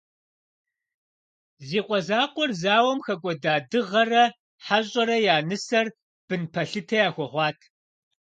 Зи къуэ закъуэр зауэм хэкӏуэда Дыгъэрэ Хьэщӏэрэ я нысэр бын пэлъытэ яхуэхъуат.